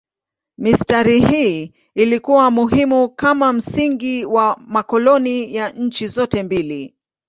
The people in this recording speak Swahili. Mistari hii ilikuwa muhimu kama msingi wa makoloni ya nchi zote mbili.